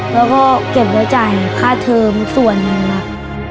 แล้วก็เก็บแล้วจ่ายค่าเทอมส่วนนึงแบบ